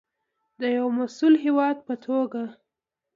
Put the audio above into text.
د یو مسوول هیواد په توګه.